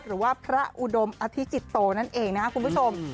หรือว่าพระอุดมอธิจิตโตนั่นเองนะครับคุณผู้ชม